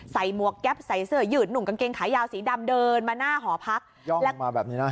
หมวกแก๊ปใส่เสื้อยืดหนุ่มกางเกงขายาวสีดำเดินมาหน้าหอพักยอกแรกมาแบบนี้นะ